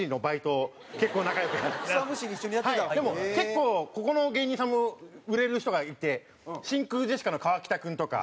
でも結構ここの芸人さんも売れる人がいて真空ジェシカの川北君とか。